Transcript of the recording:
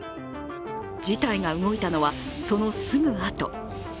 事態が動いたのは、そのすぐあと。